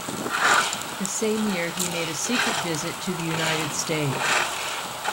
The same year he made a secret visit to the United States.